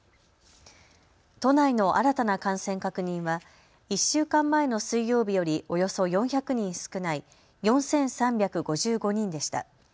都内の新たな感染確認は１週間前の水曜日よりおよそ４００人少ない４３５５人でした。